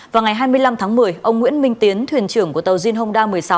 vào ngày hai mươi năm tháng một mươi ông nguyễn minh tiến thuyền trưởng của tàu zinhonda một mươi sáu